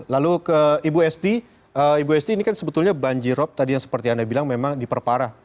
lalu ke ibu esti ibu esti ini kan sebetulnya banjirop tadi yang seperti anda bilang memang diperparah